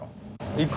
行く。